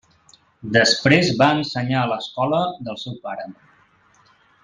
Després va ensenyar a l'escola del seu pare.